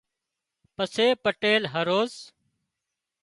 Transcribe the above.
پسي پٽيل هروز